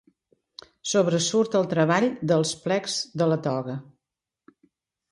Sobresurt el treball dels plecs de la toga.